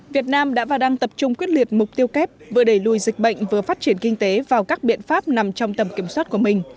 việt nam đã và đang tập trung quyết liệt mục tiêu kép vừa đẩy lùi dịch bệnh vừa phát triển kinh tế vào các biện pháp nằm trong tầm kiểm soát của mình